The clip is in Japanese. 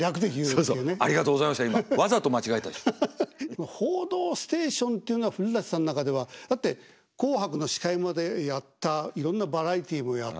でも「報道ステーション」っていうのは古さんの中では。だって「紅白」の司会までやったいろんなバラエティーもやってる。